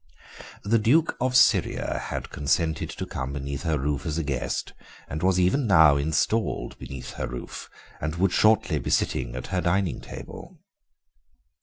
The Duke of Syria had consented to come beneath her roof as a guest, was even now installed beneath her roof, and would shortly be sitting at her dining table.